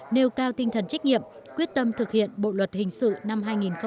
nêu cao tinh thần trách nhiệm quyết tâm thực hiện bộ luật hình sự năm hai nghìn một mươi năm